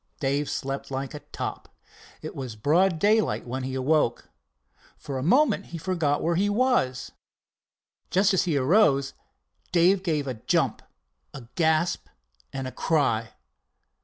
Dave slept like a top. It was broad daylight when he awoke. For a moment he forgot where he was. Just as he arose Dave gave a jump, a gasp and a cry.